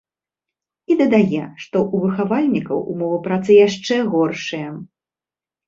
І дадае, што ў выхавальнікаў умовы працы яшчэ горшыя.